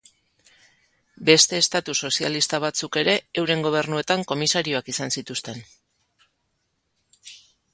Beste estatu sozialista batzuk ere euren gobernuetan komisarioak izan zituzten.